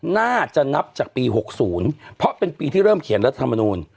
น่าจะนับจากปี๖๐เพราะเป็นปีที่เริ่มเขียนรัฐมนูล